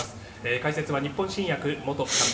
解説は日本新薬元監督